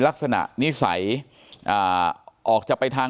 ลักษณะนิสัยออกจะไปทาง